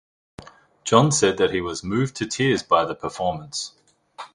John said that he was "moved to tears" by the performance.